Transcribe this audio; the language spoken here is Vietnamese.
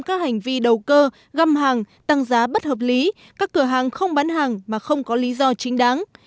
các hành vi đầu cơ găm hàng tăng giá bất hợp lý các cửa hàng không bán hàng mà không có lý do chính đáng